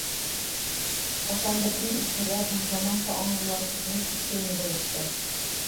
Ҡасандыр иң үткерҙәр һәм заманса аңлылар тотоноп киткәйне был эшкә.